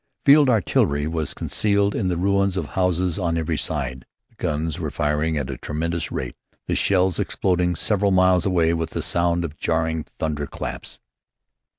Field artillery was concealed in the ruins of houses on every side. The guns were firing at a tremendous rate, the shells exploding several miles away with a sound of jarring thunder claps.